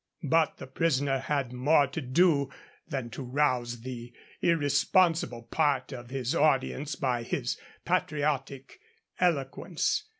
But the prisoner had more to do than to rouse the irresponsible part of his audience by his patriotic eloquence.